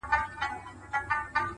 و ماته به د دې وطن د کاڼو ضرورت سي ـ